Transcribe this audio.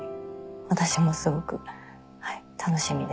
私もすごく楽しみです。